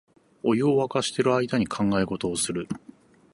お湯をわかしてる間に考え事をする